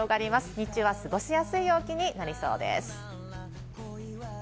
日中は過ごしやすい陽気になりそうです。